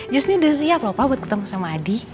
justru udah siap lho papa buat ketemu sama adi